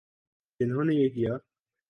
جنہوں نے یہ کیا۔